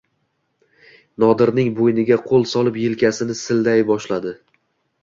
Nodirning bo‘yniga qo‘l solib yelkasini silay boshladi.